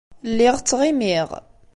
Lliɣ ttɣimiɣ.